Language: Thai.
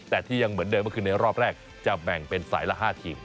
แต่ที่ยังเหมือนเดิมก็คือในรอบแรกจะแบ่งเป็นสายละ๕ทีม